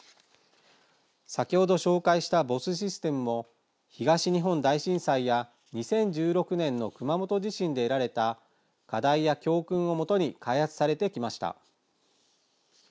先ほど紹介したＢＯＳＳシステムも東日本大震災や２０１６年の熊本地震で得られた課題や教訓を基に開発されてきました。